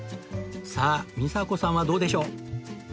さあ美佐子さんはどうでしょう？